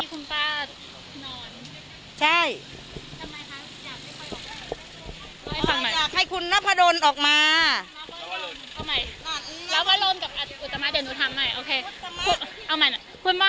ขอให้ฟังใหม่